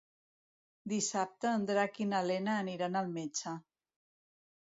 Dissabte en Drac i na Lena aniran al metge.